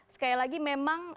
sekali lagi memang